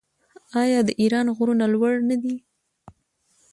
آیا د ایران غرونه لوړ نه دي؟